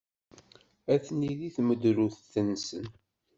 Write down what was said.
Atni deg tmudrut-nsen.